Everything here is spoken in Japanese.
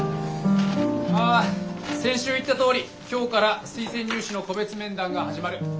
あ先週言ったとおり今日から推薦入試の個別面談が始まる。